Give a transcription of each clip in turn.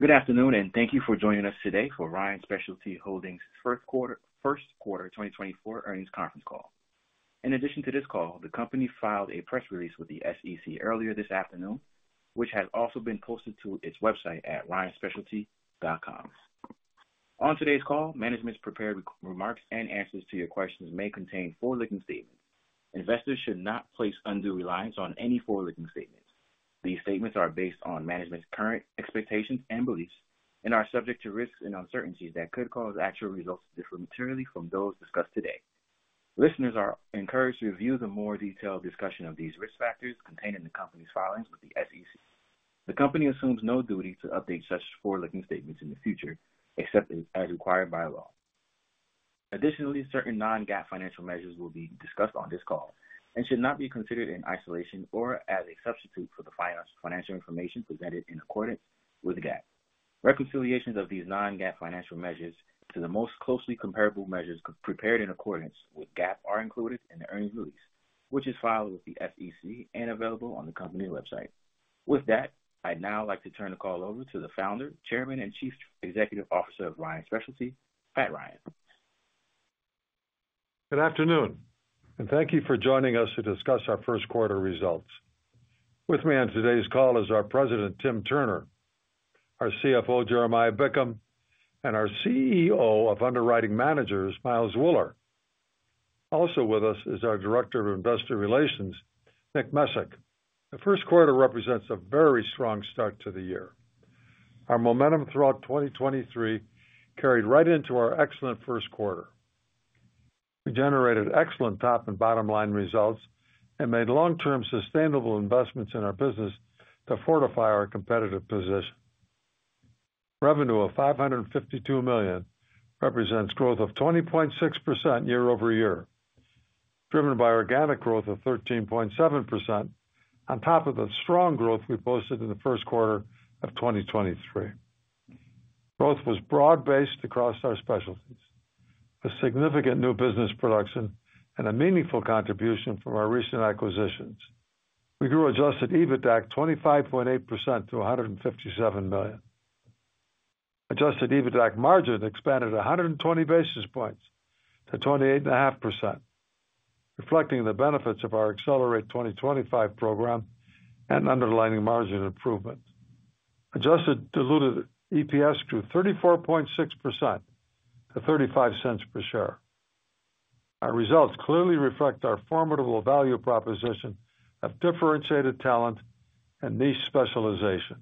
Good afternoon, and thank you for joining us today for Ryan Specialty Holdings first quarter, first quarter 2024 earnings conference call. In addition to this call, the company filed a press release with the SEC earlier this afternoon, which has also been posted to its website at ryanspecialty.com. On today's call, management's prepared remarks and answers to your questions may contain forward-looking statements. Investors should not place undue reliance on any forward-looking statements. These statements are based on management's current expectations and beliefs and are subject to risks and uncertainties that could cause actual results to differ materially from those discussed today. Listeners are encouraged to review the more detailed discussion of these risk factors contained in the company's filings with the SEC. The company assumes no duty to update such forward-looking statements in the future, except as required by law. Additionally, certain non-GAAP financial measures will be discussed on this call and should not be considered in isolation or as a substitute for the financial information presented in accordance with GAAP. Reconciliations of these non-GAAP financial measures to the most closely comparable measures prepared in accordance with GAAP are included in the earnings release, which is filed with the SEC and available on the company website. With that, I'd now like to turn the call over to the Founder, Chairman, and Chief Executive Officer of Ryan Specialty, Pat Ryan. Good afternoon, and thank you for joining us to discuss our first quarter results. With me on today's call is our President, Tim Turner, our CFO, Jeremiah Bickham, and our CEO of Underwriting Managers, Miles Wuller. Also with us is our Director of Investor Relations, Nick Mezick. The first quarter represents a very strong start to the year. Our momentum throughout 2023 carried right into our excellent first quarter. We generated excellent top and bottom line results and made long-term sustainable investments in our business to fortify our competitive position. Revenue of $552 million represents growth of 20.6% year-over-year, driven by organic growth of 13.7%, on top of the strong growth we posted in the first quarter of 2023. Growth was broad-based across our specialties, with significant new business production and a meaningful contribution from our recent acquisitions. We grew adjusted EBITDAC 25.8%-$157 million. Adjusted EBITDAC margin expanded 120 basis points to 28.5%, reflecting the benefits of our Accelerate 2025 program and underlying margin improvement. Adjusted diluted EPS grew 34.6%-$0.35 per share. Our results clearly reflect our formidable value proposition of differentiated talent and niche specialization.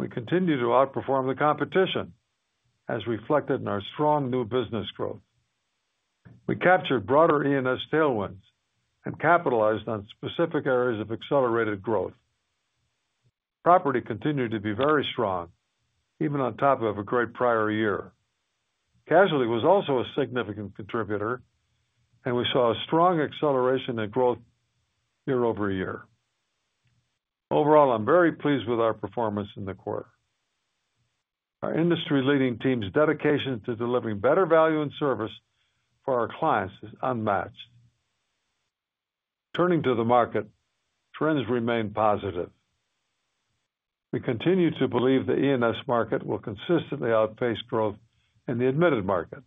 We continue to outperform the competition, as reflected in our strong new business growth. We captured broader E&S tailwinds and capitalized on specific areas of accelerated growth. Property continued to be very strong, even on top of a great prior year. Casualty was also a significant contributor, and we saw a strong acceleration in growth year over year. Overall, I'm very pleased with our performance in the quarter. Our industry leading team's dedication to delivering better value and service for our clients is unmatched. Turning to the market, trends remain positive. We continue to believe the E&S market will consistently outpace growth in the admitted market,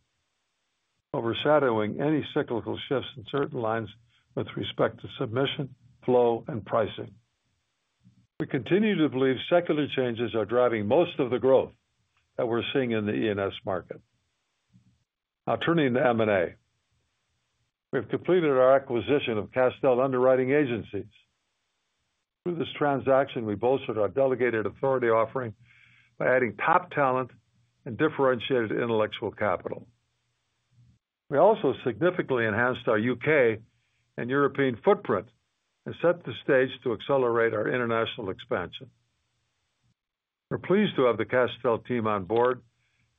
overshadowing any cyclical shifts in certain lines with respect to submission, flow, and pricing. We continue to believe secular changes are driving most of the growth that we're seeing in the E&S market. Now, turning to M&A. We have completed our acquisition of Castel Underwriting Agencies. Through this transaction, we bolstered our delegated authority offering by adding top talent and differentiated intellectual capital. We also significantly enhanced our U.K. and European footprint and set the stage to accelerate our international expansion. We're pleased to have the Castell team on board,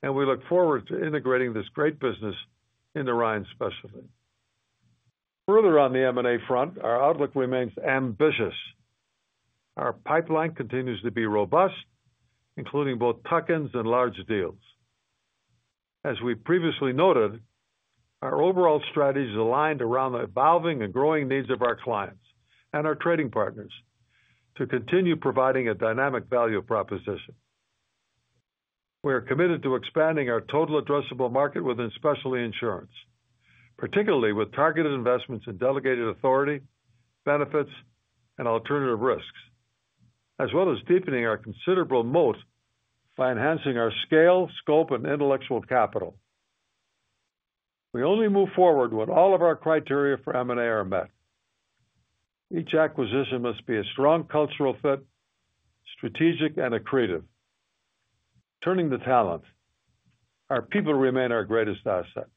and we look forward to integrating this great business into Ryan Specialty. Further on the M&A front, our outlook remains ambitious. Our pipeline continues to be robust, including both tuck-ins and large deals. As we previously noted, our overall strategy is aligned around the evolving and growing needs of our clients and our trading partners to continue providing a dynamic value proposition. We are committed to expanding our total addressable market within specialty insurance, particularly with targeted investments in delegated authority, benefits, and alternative risks, as well as deepening our considerable moat by enhancing our scale, scope, and intellectual capital. We only move forward when all of our criteria for M&A are met. Each acquisition must be a strong cultural fit, strategic, and accretive. Turning to talent. Our people remain our greatest asset.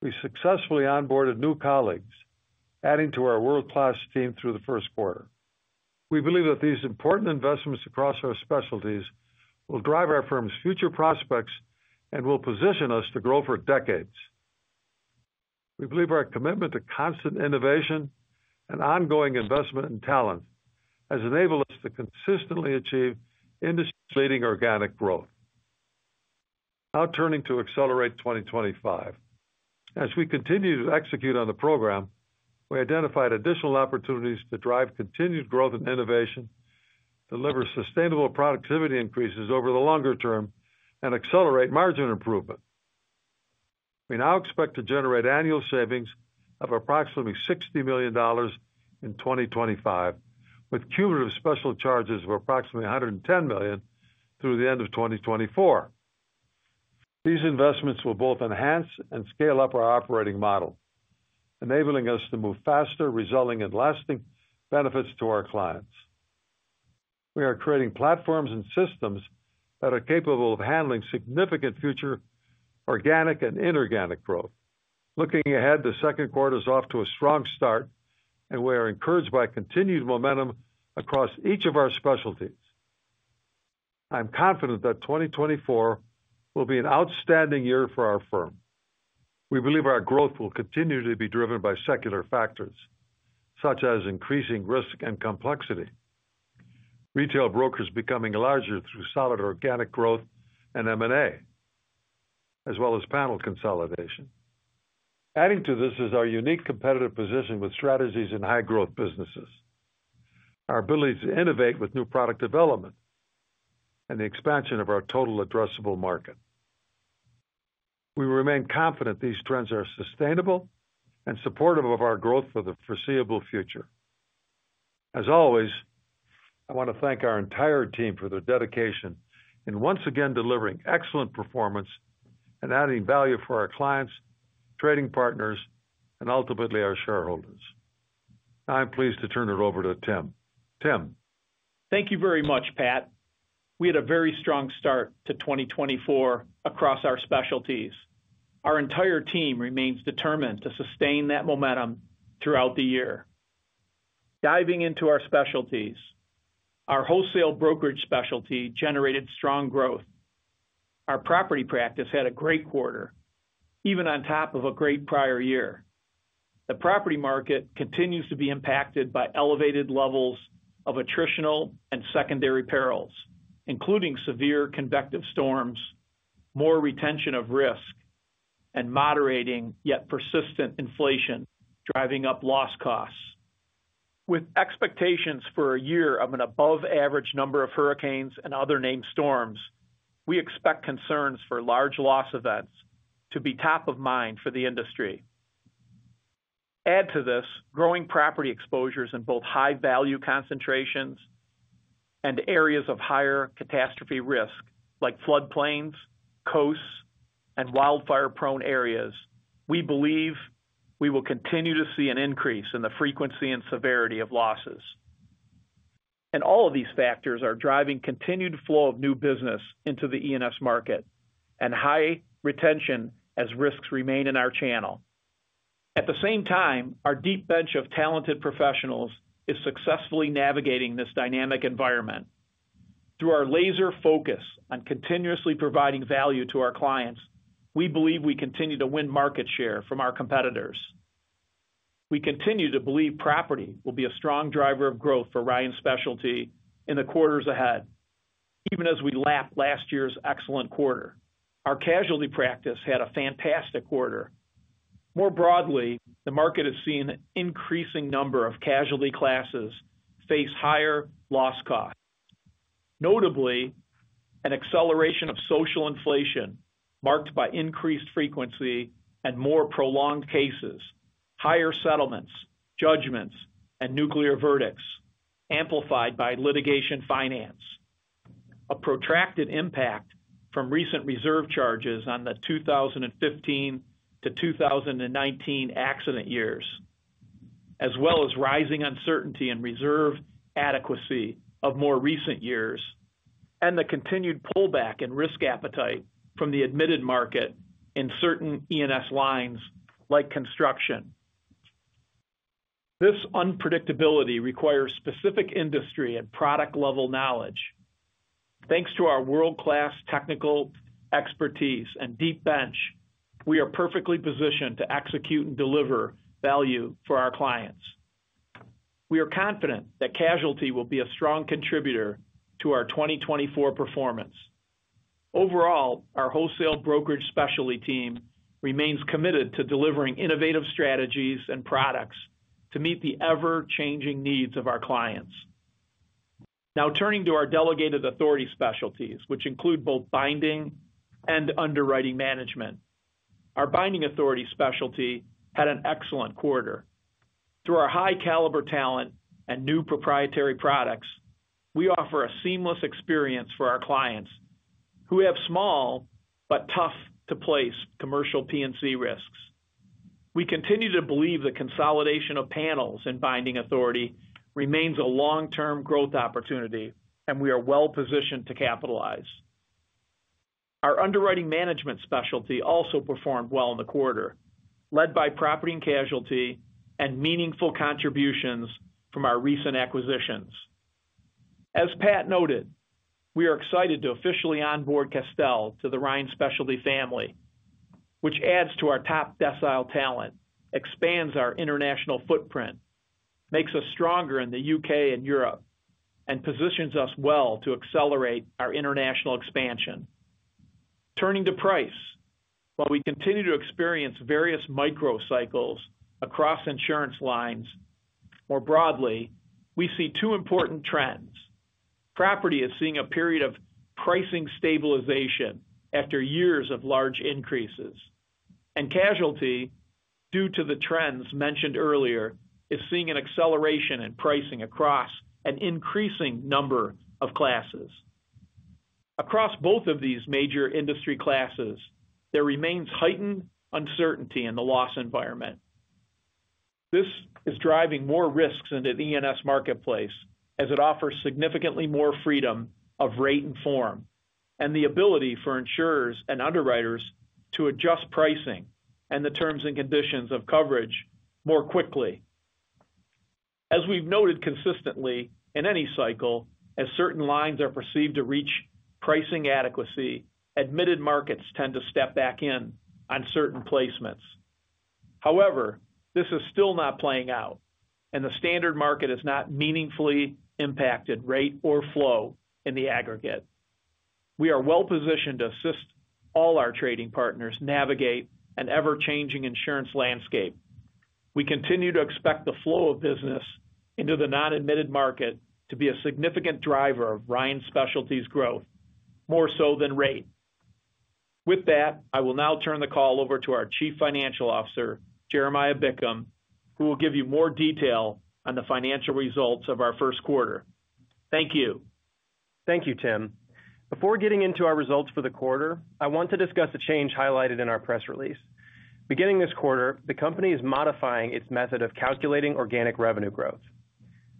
We successfully onboarded new colleagues, adding to our world-class team through the first quarter. We believe that these important investments across our specialties will drive our firm's future prospects and will position us to grow for decades. We believe our commitment to constant innovation and ongoing investment in talent has enabled us to consistently achieve industry-leading organic growth... Now turning to Accelerate 2025. As we continue to execute on the program, we identified additional opportunities to drive continued growth and innovation, deliver sustainable productivity increases over the longer term, and accelerate margin improvement. We now expect to generate annual savings of approximately $60 million in 2025, with cumulative special charges of approximately $110 million through the end of 2024. These investments will both enhance and scale up our operating model, enabling us to move faster, resulting in lasting benefits to our clients. We are creating platforms and systems that are capable of handling significant future organic and inorganic growth. Looking ahead, the second quarter is off to a strong start, and we are encouraged by continued momentum across each of our specialties. I'm confident that 2024 will be an outstanding year for our firm. We believe our growth will continue to be driven by secular factors, such as increasing risk and complexity, retail brokers becoming larger through solid organic growth and M&A, as well as panel consolidation. Adding to this is our unique competitive position with strategies in high growth businesses, our ability to innovate with new product development, and the expansion of our total addressable market. We remain confident these trends are sustainable and supportive of our growth for the foreseeable future. As always, I want to thank our entire team for their dedication in once again delivering excellent performance and adding value for our clients, trading partners, and ultimately, our shareholders. Now, I'm pleased to turn it over to Tim. Tim? Thank you very much, Pat. We had a very strong start to 2024 across our specialties. Our entire team remains determined to sustain that momentum throughout the year. Diving into our specialties, our wholesale brokerage specialty generated strong growth. Our property practice had a great quarter, even on top of a great prior year. The property market continues to be impacted by elevated levels of attritional and secondary perils, including severe convective storms, more retention of risk, and moderating, yet persistent inflation, driving up loss costs. With expectations for a year of an above-average number of hurricanes and other named storms, we expect concerns for large loss events to be top of mind for the industry. Add to this, growing property exposures in both high-value concentrations and areas of higher catastrophe risk, like floodplains, coasts, and wildfire-prone areas. We believe we will continue to see an increase in the frequency and severity of losses. And all of these factors are driving continued flow of new business into the E&S market and high retention as risks remain in our channel. At the same time, our deep bench of talented professionals is successfully navigating this dynamic environment. Through our laser focus on continuously providing value to our clients, we believe we continue to win market share from our competitors. We continue to believe property will be a strong driver of growth for Ryan Specialty in the quarters ahead, even as we lap last year's excellent quarter. Our casualty practice had a fantastic quarter. More broadly, the market has seen an increasing number of casualty classes face higher loss costs. Notably, an acceleration of social inflation, marked by increased frequency and more prolonged cases, higher settlements, judgments, and nuclear verdicts, amplified by litigation finance, a protracted impact from recent reserve charges on the 2015-2019 accident years, as well as rising uncertainty and reserve adequacy of more recent years, and the continued pullback in risk appetite from the admitted market in certain E&S lines, like construction. This unpredictability requires specific industry and product-level knowledge. Thanks to our world-class technical expertise and deep bench, we are perfectly positioned to execute and deliver value for our clients. We are confident that casualty will be a strong contributor to our 2024 performance. Overall, our wholesale brokerage specialty team remains committed to delivering innovative strategies and products to meet the ever-changing needs of our clients. Now, turning to our delegated authority specialties, which include both binding and underwriting management. Our binding authority specialty had an excellent quarter. Through our high-caliber talent and new proprietary products, we offer a seamless experience for our clients who have small but tough-to-place commercial P&C risks. We continue to believe the consolidation of panels in binding authority remains a long-term growth opportunity, and we are well-positioned to capitalize. Our underwriting management specialty also performed well in the quarter, led by property and casualty and meaningful contributions from our recent acquisitions. As Pat noted, we are excited to officially onboard Castell to the Ryan Specialty family. which adds to our top decile talent, expands our international footprint, makes us stronger in the U.K. and Europe, and positions us well to accelerate our international expansion. Turning to price, while we continue to experience various micro cycles across insurance lines, more broadly, we see two important trends. Property is seeing a period of pricing stabilization after years of large increases, and casualty, due to the trends mentioned earlier, is seeing an acceleration in pricing across an increasing number of classes. Across both of these major industry classes, there remains heightened uncertainty in the loss environment. This is driving more risks into the E&S marketplace as it offers significantly more freedom of rate and form, and the ability for insurers and underwriters to adjust pricing and the terms and conditions of coverage more quickly. As we've noted consistently, in any cycle, as certain lines are perceived to reach pricing adequacy, admitted markets tend to step back in on certain placements. However, this is still not playing out, and the standard market is not meaningfully impacted, rate or flow, in the aggregate. We are well positioned to assist all our trading partners navigate an ever-changing insurance landscape. We continue to expect the flow of business into the non-admitted market to be a significant driver of Ryan Specialty's growth, more so than rate. With that, I will now turn the call over to our Chief Financial Officer, Jeremiah Bickham, who will give you more detail on the financial results of our first quarter. Thank you. Thank you, Tim. Before getting into our results for the quarter, I want to discuss a change highlighted in our press release. Beginning this quarter, the company is modifying its method of calculating organic revenue growth.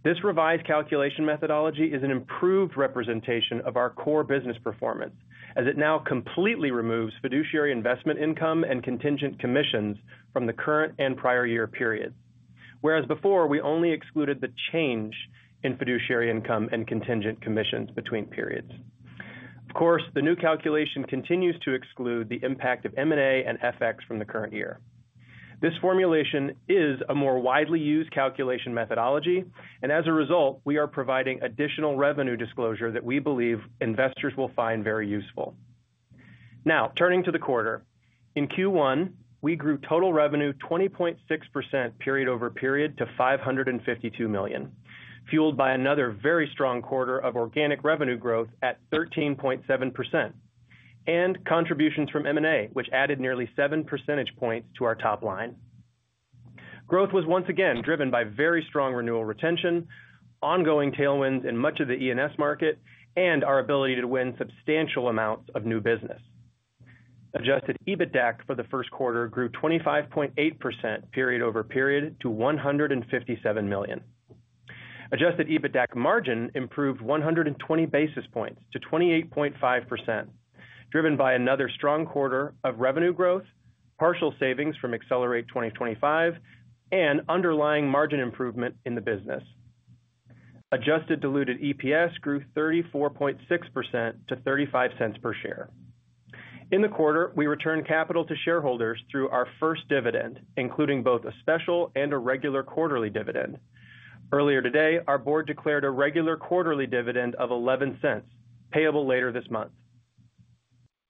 This revised calculation methodology is an improved representation of our core business performance, as it now completely removes fiduciary investment income and contingent commissions from the current and prior year period. Whereas before, we only excluded the change in fiduciary income and contingent commissions between periods. Of course, the new calculation continues to exclude the impact of M&A and FX from the current year. This formulation is a more widely used calculation methodology, and as a result, we are providing additional revenue disclosure that we believe investors will find very useful. Now, turning to the quarter. In Q1, we grew total revenue 20.6% period-over-period to $552 million, fueled by another very strong quarter of organic revenue growth at 13.7%, and contributions from M&A, which added nearly seven percentage points to our top line. Growth was once again driven by very strong renewal retention, ongoing tailwinds in much of the E&S market, and our ability to win substantial amounts of new business. Adjusted EBITDAC for the first quarter grew 25.8% period-over-period to $157 million. Adjusted EBITDAC margin improved 120 basis points to 28.5%, driven by another strong quarter of revenue growth, partial savings from Accelerate 2025, and underlying margin improvement in the business. Adjusted diluted EPS grew 34.6%- $0.35 per share. In the quarter, we returned capital to shareholders through our first dividend, including both a special and a regular quarterly dividend. Earlier today, our board declared a regular quarterly dividend of $0.11, payable later this month.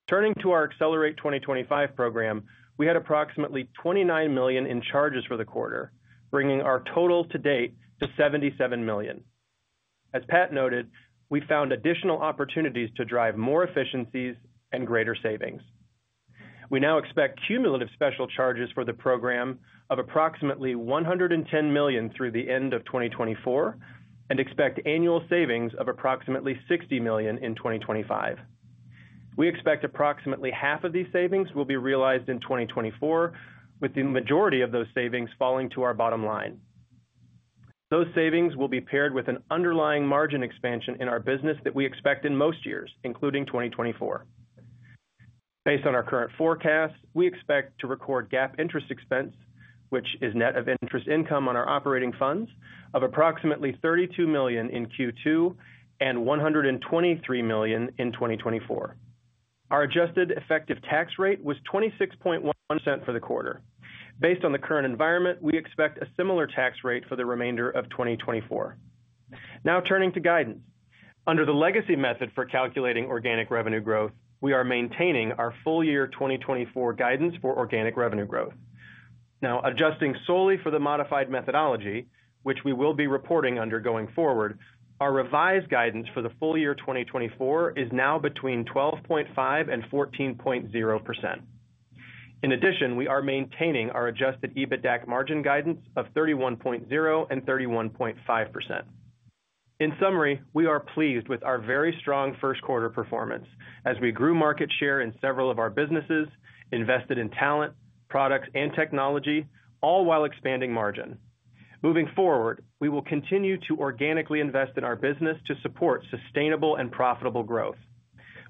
Turning to our Accelerate 2025 program, we had approximately $29 million in charges for the quarter, bringing our total to date to $77 million. As Pat noted, we found additional opportunities to drive more efficiencies and greater savings. We now expect cumulative special charges for the program of approximately $110 million through the end of 2024, and expect annual savings of approximately $60 million in 2025. We expect approximately half of these savings will be realized in 2024, with the majority of those savings falling to our bottom line. Those savings will be paired with an underlying margin expansion in our business that we expect in most years, including 2024. Based on our current forecast, we expect to record GAAP interest expense, which is net of interest income on our operating funds, of approximately $32 million in Q2 and $123 million in 2024. Our adjusted effective tax rate was 26.1% for the quarter. Based on the current environment, we expect a similar tax rate for the remainder of 2024. Now, turning to guidance. Under the legacy method for calculating organic revenue growth, we are maintaining our full year 2024 guidance for organic revenue growth. Now, adjusting solely for the modified methodology, which we will be reporting under going forward, our revised guidance for the full year 2024 is now between 12.5% and 14.0%. In addition, we are maintaining our adjusted EBITDAC margin guidance of 31.0%-31.5%. In summary, we are pleased with our very strong first quarter performance as we grew market share in several of our businesses, invested in talent, products, and technology, all while expanding margin. Moving forward, we will continue to organically invest in our business to support sustainable and profitable growth.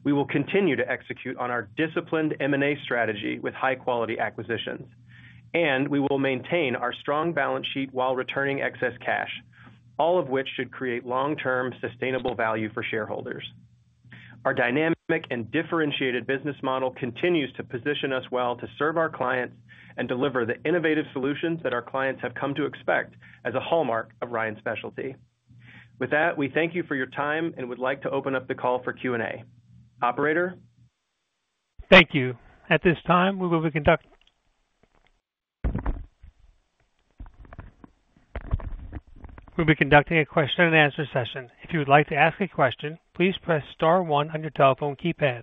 We will continue to execute on our disciplined M&A strategy with high-quality acquisitions. ...and we will maintain our strong balance sheet while returning excess cash, all of which should create long-term sustainable value for shareholders. Our dynamic and differentiated business model continues to position us well to serve our clients and deliver the innovative solutions that our clients have come to expect as a hallmark of Ryan Specialty. With that, we thank you for your time and would like to open up the call for Q&A. Operator? Thank you. At this time, we'll be conducting a question and answer session. If you would like to ask a question, please press star one on your telephone keypad.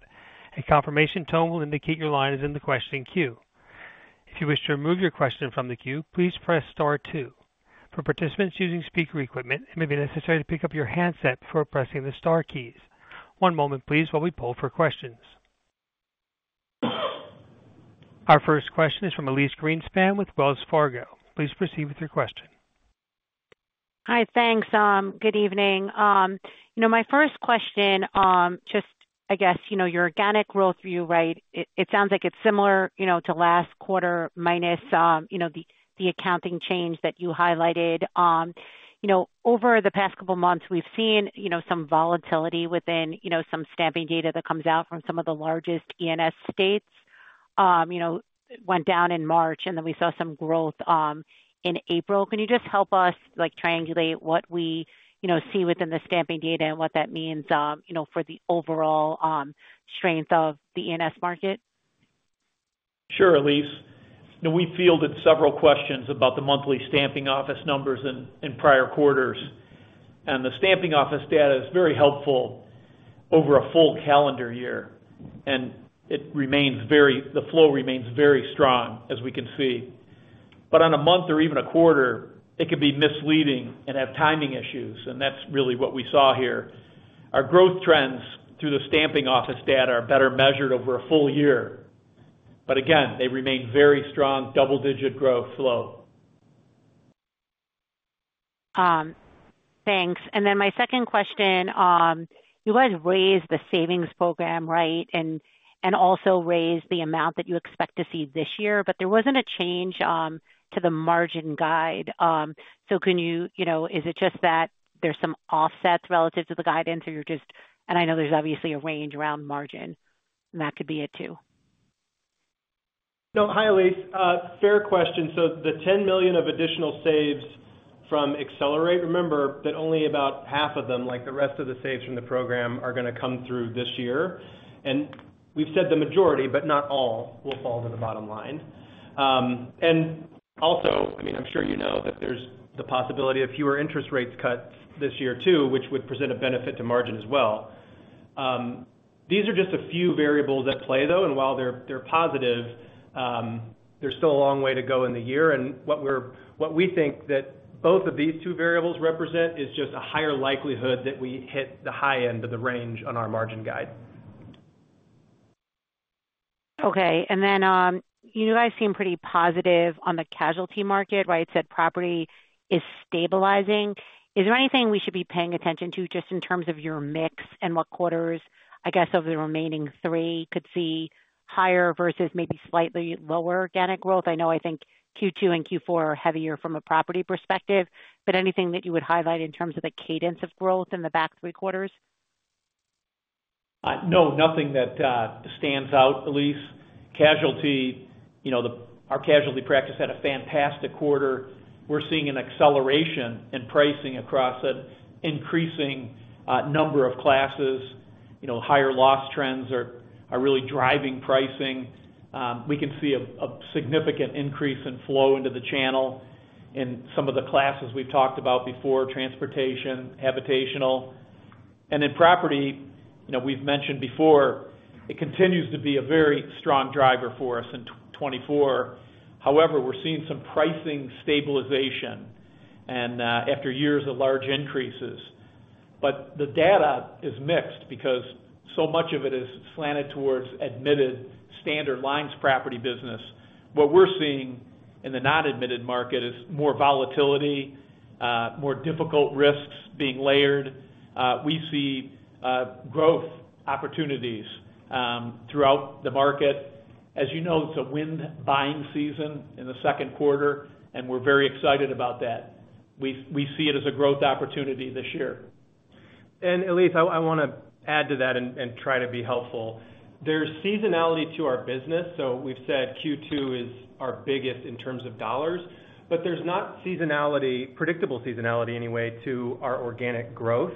A confirmation tone will indicate your line is in the questioning queue. If you wish to remove your question from the queue, please press star two. For participants using speaker equipment, it may be necessary to pick up your handset before pressing the star keys. One moment please, while we poll for questions. Our first question is from Elise Greenspan with Wells Fargo. Please proceed with your question. Hi. Thanks. Good evening. You know, my first question, just I guess, you know, your organic growth view, right? It sounds like it's similar, you know, to last quarter, minus, you know, the accounting change that you highlighted. You know, over the past couple months, we've seen, you know, some volatility within, you know, some stamping data that comes out from some of the largest E&S states. You know, went down in March, and then we saw some growth in April. Can you just help us, like, triangulate what we, you know, see within the stamping data and what that means, you know, for the overall strength of the E&S market? Sure, Elise. You know, we fielded several questions about the monthly stamping office numbers in prior quarters, and the stamping office data is very helpful over a full calendar year, and it remains very strong, the flow remains very strong, as we can see. But on a month or even a quarter, it could be misleading and have timing issues, and that's really what we saw here. Our growth trends through the stamping office data are better measured over a full year, but again, they remain very strong, double-digit growth flow. Thanks. And then my second question, you guys raised the savings program, right? And also raised the amount that you expect to see this year, but there wasn't a change to the margin guide. So can you—you know, is it just that there's some offsets relative to the guidance, or you're just... And I know there's obviously a range around margin, and that could be it, too. No. Hi, Elise, fair question. So, the $10 million of additional saves from Accelerate, remember that only about half of them, like the rest of the saves from the program, are gonna come through this year. And we've said the majority, but not all, will fall to the bottom line. And also, I mean, I'm sure you know that there's the possibility of fewer interest rates cuts this year, too, which would present a benefit to margin as well. These are just a few variables at play, though, and while they're, they're positive, there's still a long way to go in the year. And what we think that both of these two variables represent is just a higher likelihood that we hit the high end of the range on our margin guide. Okay, and then, you guys seem pretty positive on the casualty market, right? You said property is stabilizing. Is there anything we should be paying attention to just in terms of your mix and what quarters, I guess, of the remaining three could see higher versus maybe slightly lower organic growth? I know, I think Q2 and Q4 are heavier from a property perspective, but anything that you would highlight in terms of the cadence of growth in the back three quarters? No, nothing that stands out, Elise. Casualty, you know, our casualty practice had a fantastic quarter. We're seeing an acceleration in pricing across an increasing number of classes. You know, higher loss trends are really driving pricing. We can see a significant increase in flow into the channel in some of the classes we've talked about before, transportation, habitational. And in property, you know, we've mentioned before, it continues to be a very strong driver for us in 2024. However, we're seeing some pricing stabilization and after years of large increases. But the data is mixed because so much of it is slanted towards admitted standard lines, property business. What we're seeing in the non-admitted market is more volatility, more difficult risks being layered. We see growth opportunities throughout the market. As you know, it's a wind buying season in the second quarter, and we're very excited about that. We see it as a growth opportunity this year. Elise, I, I wanna add to that and try to be helpful. There's seasonality to our business, so we've said Q2 is our biggest in terms of dollars, but there's not seasonality, predictable seasonality anyway, to our organic growth.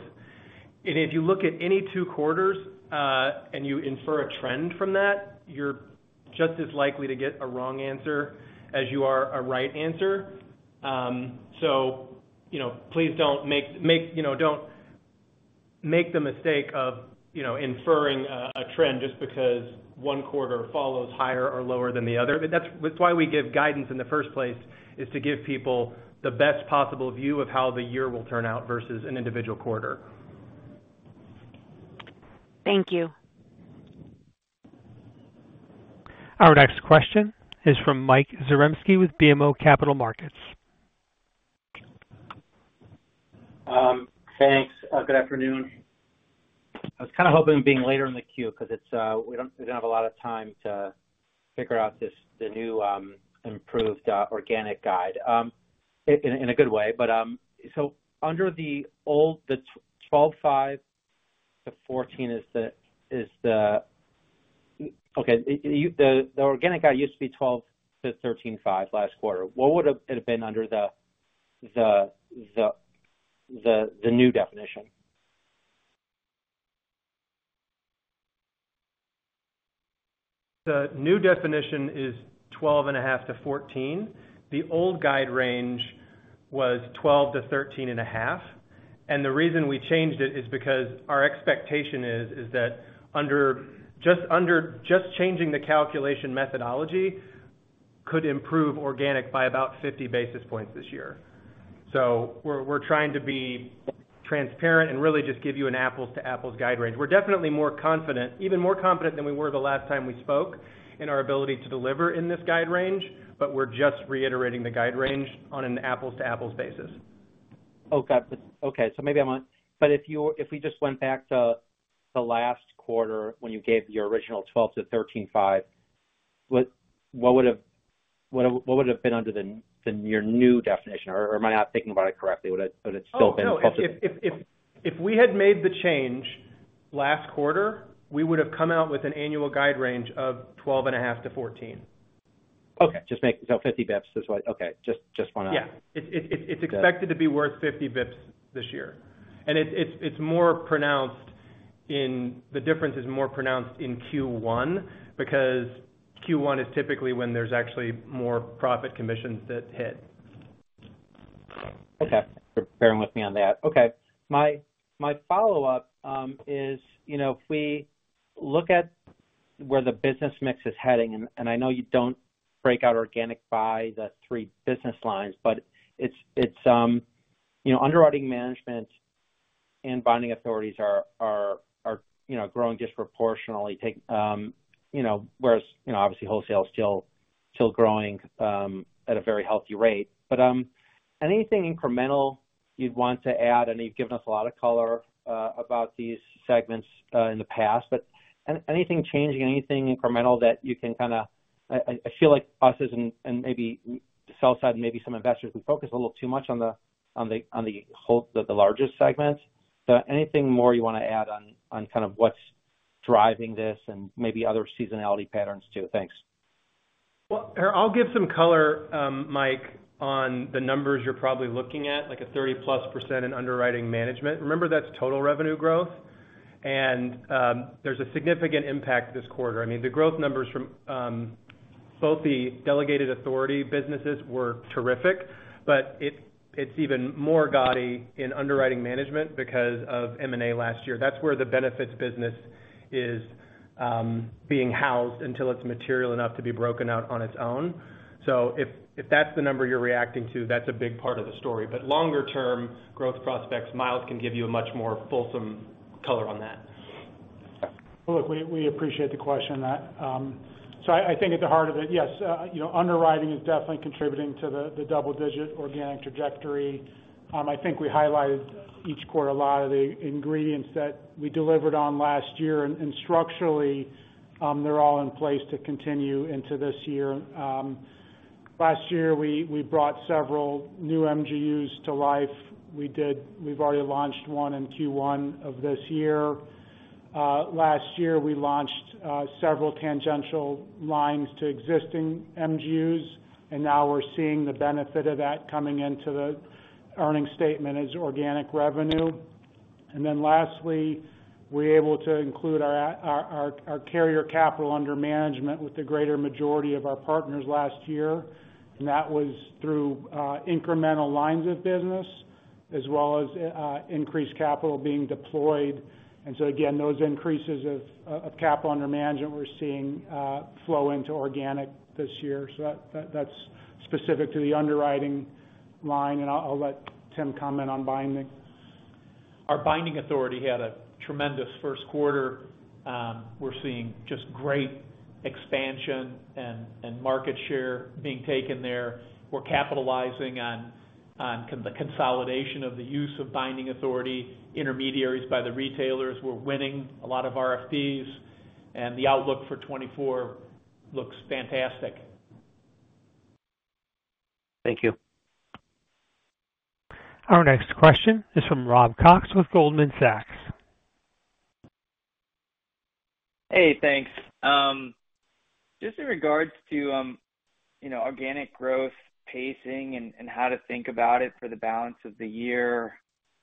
If you look at any two quarters and you infer a trend from that, you're just as likely to get a wrong answer as you are a right answer. So you know, please don't make the mistake of you know, inferring a trend just because one quarter follows higher or lower than the other. But that's why we give guidance in the first place, is to give people the best possible view of how the year will turn out versus an individual quarter. Thank you. Our next question is from Mike Zaremski with BMO Capital Markets. Thanks. Good afternoon. I was kind of hoping being later in the queue because it's, we don't, we don't have a lot of time to figure out this, the new, improved, organic guide, in, in a good way. But, so under the old, the 12.5-14 is the, is the. Okay, you, the, the organic guide used to be 12-13.5 last quarter. What would have it been under the new definition? The new definition is 12.5-14. The old guide range was 12-13.5. The reason we changed it is because our expectation is, is that just under, just changing the calculation methodology could improve organic by about 50 basis points this year. So we're, we're trying to be transparent and really just give you an apples to apples guide range. We're definitely more confident, even more confident than we were the last time we spoke, in our ability to deliver in this guide range, but we're just reiterating the guide range on an apples to apples basis. Oh, got it. Okay, so maybe I want... But if we just went back to the last quarter when you gave your original 12-13.5, what would have been under your new definition? Or am I not thinking about it correctly? Would it still been. Oh, no. If we had made the change last quarter, we would have come out with an annual guide range of 12.5-14. Okay, so 50 basis points is what... Okay, just want to. Yeah, it's expected to be worth 50 basis points this year. It's more pronounced in the difference is more pronounced in Q1, because Q1 is typically when there's actually more profit commissions that hit. Okay, thanks for bearing with me on that. Okay. My follow-up is, you know, if we look at where the business mix is heading, and I know you don't break out organic by the three business lines, but it's, you know, underwriting management and binding authorities are growing disproportionately, you know, whereas, you know, obviously, wholesale is still growing at a very healthy rate. But, anything incremental you'd want to add? I know you've given us a lot of color about these segments in the past, but anything changing, anything incremental that you can kind of... I feel like us and maybe the sell side and maybe some investors, we focus a little too much on the whole, the largest segment. So, anything more you want to add on, on kind of what's driving this and maybe other seasonality patterns, too? Thanks. Well, I'll give some color, Mike, on the numbers you're probably looking at, like a 30%+ in underwriting management. Remember, that's total revenue growth, and there's a significant impact this quarter. I mean, the growth numbers from both the delegated authority businesses were terrific, but it's even more gaudy in underwriting management because of M&A last year. That's where the benefits business is being housed until it's material enough to be broken out on its own. So if that's the number you're reacting to, that's a big part of the story. But longer-term growth prospects, Miles can give you a much more fulsome color on that. Look, we, we appreciate the question on that. So I, I think at the heart of it, yes, you know, underwriting is definitely contributing to the, the double-digit organic trajectory. I think we highlighted each quarter a lot of the ingredients that we delivered on last year, and, and structurally, they're all in place to continue into this year. Last year, we, we brought several new MGUs to life. We've already launched one in Q1 of this year. Last year, we launched several tangential lines to existing MGUs, and now we're seeing the benefit of that coming into the earnings statement as organic revenue. And then lastly, we're able to include our carrier capital under management with the greater majority of our partners last year, and that was through incremental lines of business, as well as increased capital being deployed. And so again, those increases of capital under management, we're seeing flow into organic this year. So that, that's specific to the underwriting line, and I'll let Tim comment on binding. Our binding authority had a tremendous first quarter. We're seeing just great expansion and market share being taken there. We're capitalizing on the consolidation of the use of binding authority intermediaries by the retailers. We're winning a lot of RFPs, and the outlook for 2024 looks fantastic. Thank you. Our next question is from Rob Cox with Goldman Sachs. Hey, thanks. Just in regards to, you know, organic growth pacing and, and how to think about it for the balance of the year.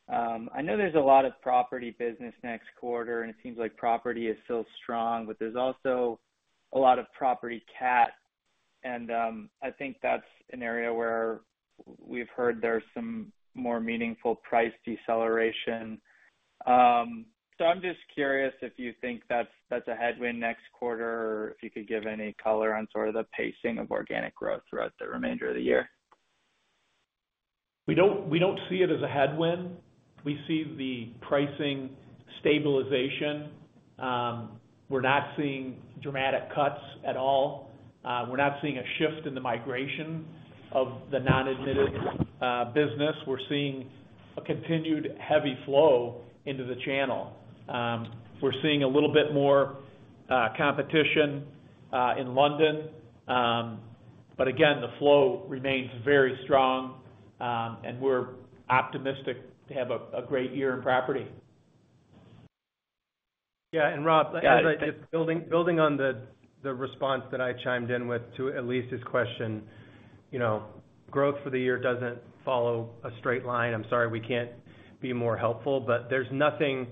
I know there's a lot of property business next quarter, and it seems like property is still strong, but there's also a lot of property cat. I think that's an area where we've heard there's some more meaningful price deceleration. So I'm just curious if you think that's, that's a headwind next quarter, or if you could give any color on sort of the pacing of organic growth throughout the remainder of the year. We don't see it as a headwind. We see the pricing stabilization. We're not seeing dramatic cuts at all. We're not seeing a shift in the migration of the non-admitted business. We're seeing a continued heavy flow into the channel. We're seeing a little bit more competition in London. But again, the flow remains very strong, and we're optimistic to have a great year in property. Yeah, and Rob, just building on the response that I chimed in with to Elise's question, you know, growth for the year doesn't follow a straight line. I'm sorry, we can't be more helpful, but there's nothing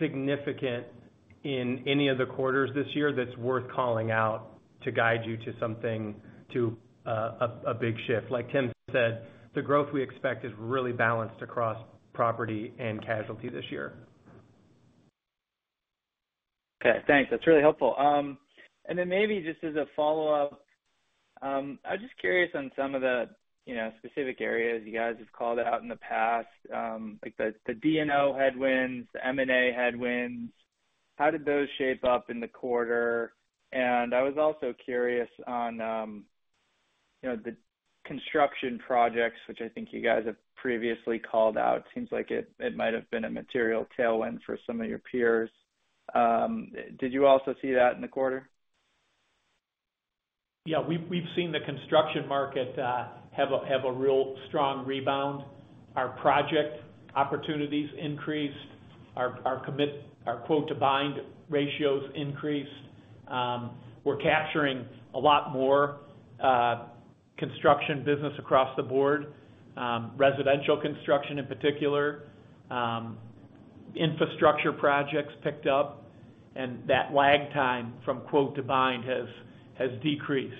significant in any of the quarters this year that's worth calling out to guide you to something, a big shift. Like Tim said, the growth we expect is really balanced across property and casualty this year. Okay, thanks. That's really helpful. And then maybe just as a follow-up, I'm just curious on some of the, you know, specific areas you guys have called out in the past, like the, the D&O headwinds, the M&A headwinds, how did those shape up in the quarter? And I was also curious on, you know, the construction projects, which I think you guys have previously called out. Seems like it, it might have been a material tailwind for some of your peers. Did you also see that in the quarter? Yeah, we've seen the construction market have a real strong rebound. Our project opportunities increased. Our quote-to-bind ratios increased. We're capturing a lot more construction business across the board, residential construction in particular. Infrastructure projects picked up, and that lag time from quote to bind has decreased.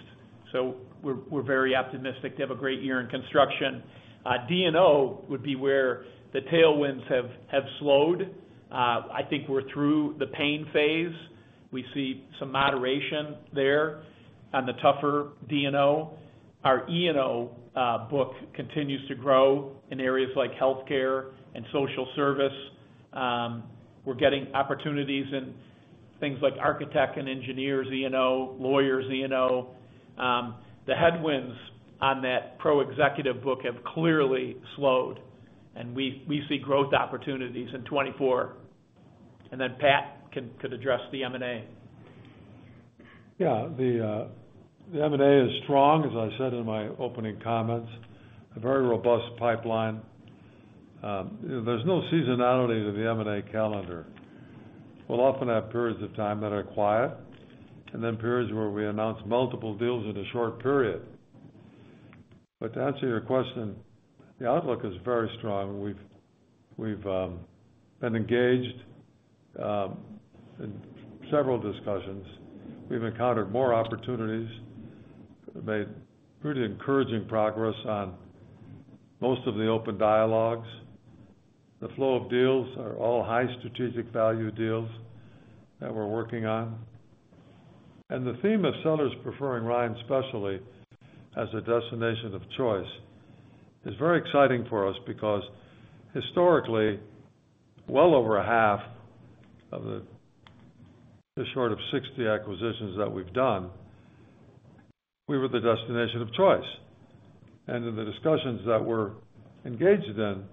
So we're very optimistic to have a great year in construction. D&O would be where the tailwinds have slowed. I think we're through the pain phase. We see some moderation there on the tougher D&O. Our E&O book continues to grow in areas like healthcare and social service. We're getting opportunities in things like architect and engineers E&O, lawyers E&O. The headwinds on that pro executive book have clearly slowed, and we see growth opportunities in 2024. And then Pat could address the M&A. Yeah, the M&A is strong, as I said in my opening comments, a very robust pipeline. There's no seasonality to the M&A calendar. We'll often have periods of time that are quiet, and then periods where we announce multiple deals in a short period. But to answer your question, the outlook is very strong. We've been engaged in several discussions. We've encountered more opportunities, made pretty encouraging progress on most of the open dialogues. The flow of deals are all high strategic value deals that we're working on. And the theme of sellers preferring Ryan Specialty as a destination of choice is very exciting for us because historically, well over a half of the sort of 60 acquisitions that we've done, we were the destination of choice. And in the discussions that we're engaged in,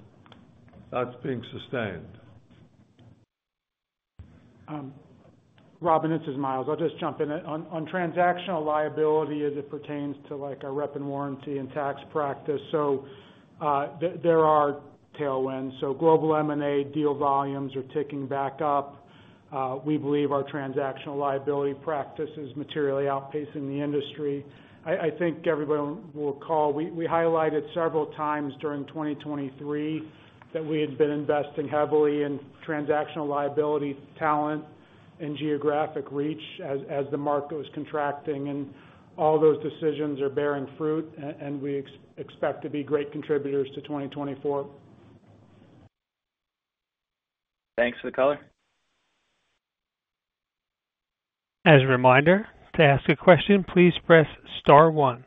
that's being sustained. Rob, it's Miles. I'll just jump in. On transactional liability as it pertains to, like, our rep and warranty and tax practice. So, there are tailwinds. So global M&A deal volumes are ticking back up. We believe our transactional liability practice is materially outpacing the industry. I think everyone will recall—we highlighted several times during 2023 that we had been investing heavily in transactional liability, talent, and geographic reach as the market was contracting, and all those decisions are bearing fruit, and we expect to be great contributors to 2024. Thanks for the color. As a reminder, to ask a question, please press star one.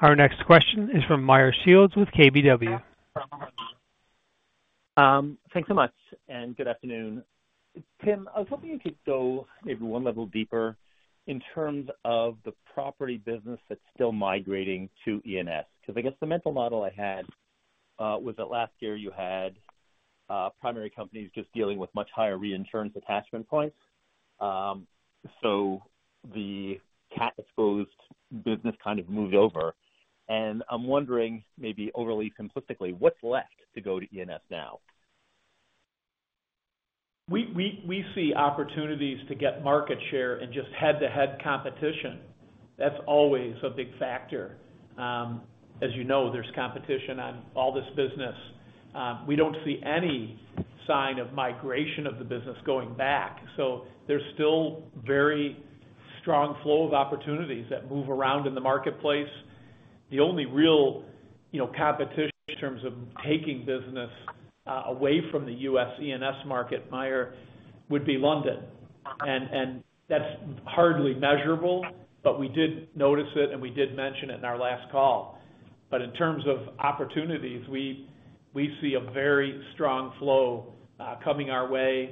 Our next question is from Meyer Shields with KBW. Thanks so much, and good afternoon. Tim, I was hoping you could go maybe one level deeper in terms of the property business that's still migrating to E&S, because I guess the mental model I had was that last year you had primary companies just dealing with much higher reinsurance attachment points. So the cat-exposed business kind of moved over, and I'm wondering, maybe overly simplistically, what's left to go to E&S now? We see opportunities to get market share and just head-to-head competition. That's always a big factor. As you know, there's competition on all this business. We don't see any sign of migration of the business going back, so there's still very strong flow of opportunities that move around in the marketplace. The only real, you know, competition in terms of taking business away from the U.S. E&S market, Meyer, is. Would be London, and, and that's hardly measurable, but we did notice it, and we did mention it in our last call. But in terms of opportunities, we, we see a very strong flow, coming our way.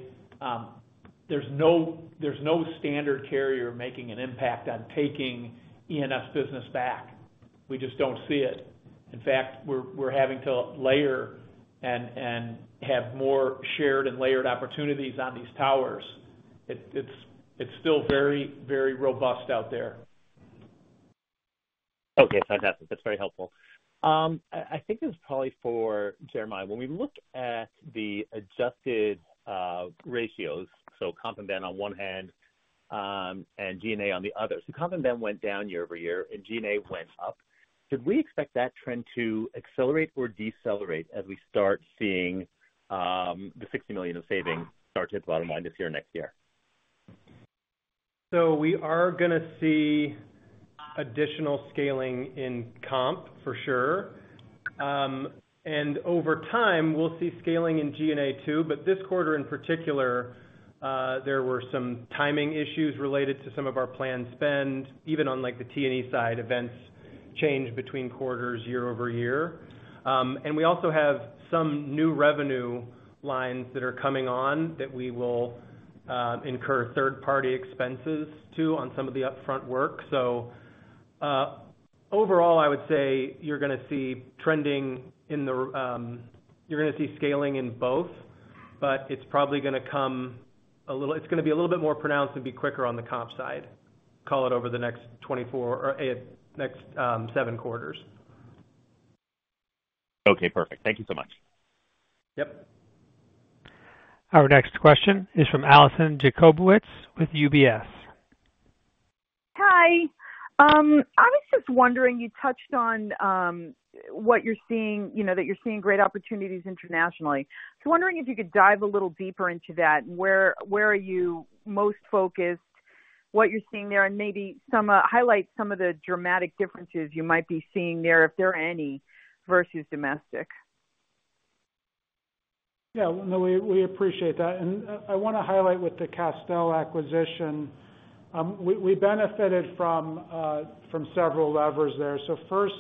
There's no, there's no standard carrier making an impact on taking E&S business back. We just don't see it. In fact, we're, we're having to layer and, and have more shared and layered opportunities on these towers. It, it's, it's still very, very robust out there. Okay, fantastic. That's very helpful. I, I think this is probably for Jeremiah. When we look at the adjusted ratios, so comp and ben on one hand, and GNA on the other. So comp and ben went down year-over-year, and GNA went up. Should we expect that trend to accelerate or decelerate as we start seeing the $60 million in savings start to hit the bottom line this year, next year? So we are gonna see additional scaling in comp, for sure. And over time, we'll see scaling in GNA too, but this quarter, in particular, there were some timing issues related to some of our planned spend, even on, like, the T&E side, events change between quarters year-over-year. And we also have some new revenue lines that are coming on that we will incur third-party expenses, too, on some of the upfront work. So, overall, I would say you're gonna see trending in the, you're gonna see scaling in both, but it's probably gonna come a little—It's gonna be a little bit more pronounced and be quicker on the comp side, call it over the next 24 or, next, seven quarters. Okay, perfect. Thank you so much. Yep. Our next question is from Alison Jacobowitz with UBS. Hi. I was just wondering, you touched on what you're seeing, you know, that you're seeing great opportunities internationally. So wondering if you could dive a little deeper into that. Where, where are you most focused, what you're seeing there, and maybe some, highlight some of the dramatic differences you might be seeing there, if there are any, versus domestic? Yeah, no, we, we appreciate that. And, I wanna highlight with the Castell acquisition, we, we benefited from, from several levers there. So first,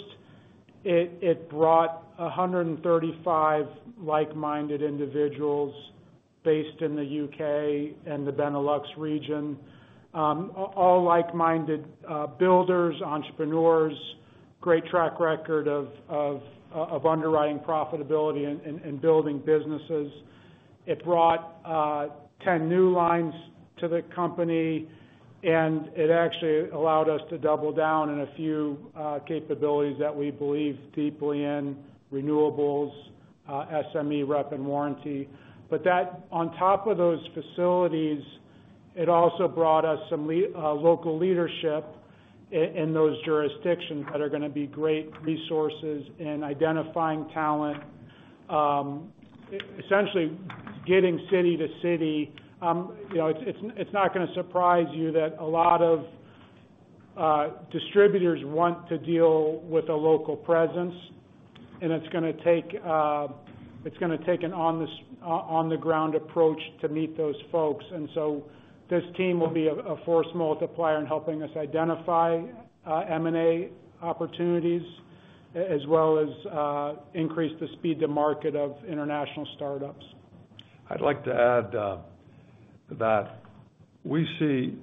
it, it brought 135 like-minded individuals based in the U.K. and the Benelux region. All like-minded, builders, entrepreneurs, great track record of underwriting profitability and building businesses. It brought, 10 new lines to the company, and it actually allowed us to double down in a few, capabilities that we believe deeply in, renewables, SME rep and warranty. But that, on top of those facilities, it also brought us some local leadership in those jurisdictions that are gonna be great resources in identifying talent, essentially getting city to city. You know, it's not gonna surprise you that a lot of distributors want to deal with a local presence, and it's gonna take an on-the-ground approach to meet those folks. And so this team will be a force multiplier in helping us identify M&A opportunities, as well as increase the speed to market of international startups. I'd like to add that we see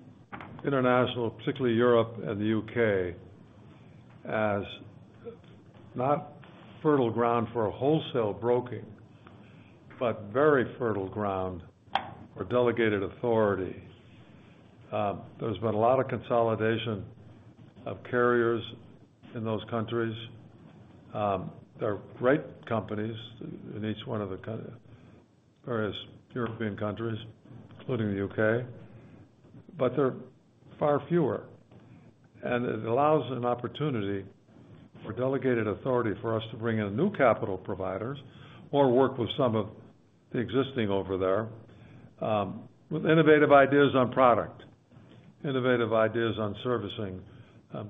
international, particularly Europe and the U.K., as not fertile ground for wholesale broking, but very fertile ground for delegated authority. There's been a lot of consolidation of carriers in those countries. There are great companies in various European countries, including the U.K., but they're far fewer. And it allows an opportunity for delegated authority for us to bring in new capital providers or work with some of the existing over there with innovative ideas on product, innovative ideas on servicing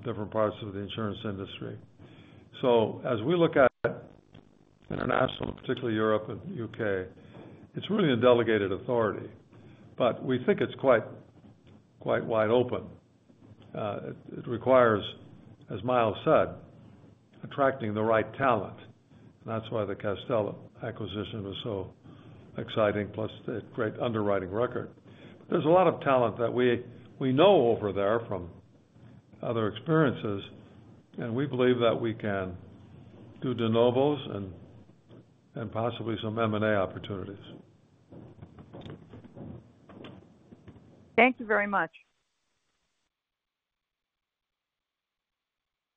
different parts of the insurance industry. So as we look at international, and particularly Europe and U.K., it's really a delegated authority, but we think it's quite, quite wide open. It requires, as Miles said, attracting the right talent. And that's why the Castell acquisition was so exciting, plus the great underwriting record. There's a lot of talent that we know over there from other experiences, and we believe that we can do de novos and possibly some M&A opportunities. Thank you very much.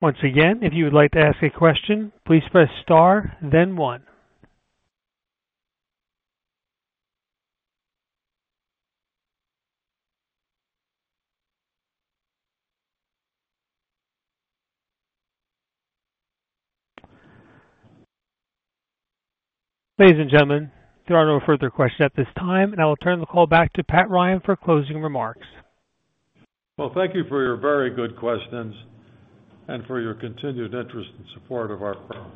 Once again, if you would like to ask a question, please press star then one. Ladies and gentlemen, there are no further questions at this time, and I will turn the call back to Pat Ryan for closing remarks. Well, thank you for your very good questions and for your continued interest and support of our firm.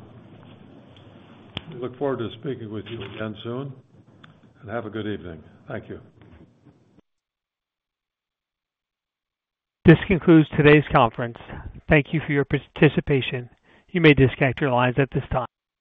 We look forward to speaking with you again soon, and have a good evening. Thank you. This concludes today's conference. Thank you for your participation. You may disconnect your lines at this time.